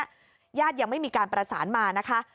ญาติยังไม่มีการประสานมานะคะ